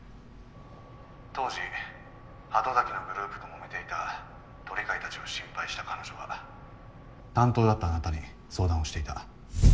当時鳩崎のグループと揉めていた鳥飼たちを心配した彼女は担当だったあなたに相談をしていた。